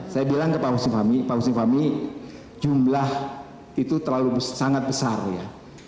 saya bilang ke pak husni fahmi pak husni fahmi jumlah itu terlalu sangat besar ya